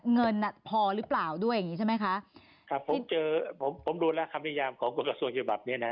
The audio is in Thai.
เงินอ่ะพอหรือเปล่าด้วยอย่างงี้ใช่ไหมคะครับผมเจอผมผมดูแล้วคำนิยามของกฎกระทรวงฉบับเนี้ยนะ